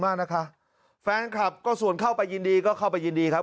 มากนะคะแฟนคลับก็ส่วนเข้าไปยินดีก็เข้าไปยินดีครับ